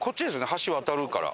橋渡るから。